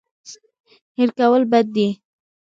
هېر کول بد دی.